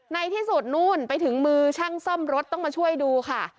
ในที่สุดนู่นไปถึงมือช่างซ่อมรถต้องมาช่วยดูค่ะ